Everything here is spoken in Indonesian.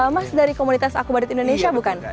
mas dari komunitas akubadit indonesia bukan